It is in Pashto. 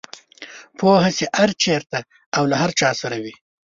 پوهه چې هر چېرته او له هر چا سره وي.